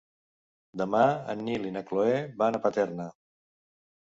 Demà en Nil i na Cloè van a Paterna.